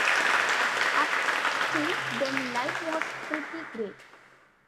Up till then life was pretty great.